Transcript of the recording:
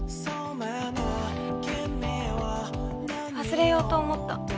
忘れようと思った。